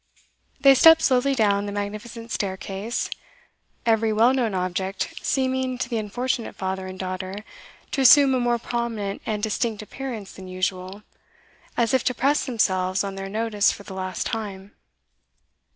They stepped slowly down the magnificent staircase every well known object seeming to the unfortunate father and daughter to assume a more prominent and distinct appearance than usual, as if to press themselves on their notice for the last time.